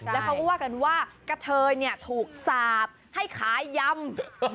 แล้วเขาก็ว่ากันว่ากะเทยถูกสาบให้ขายยำ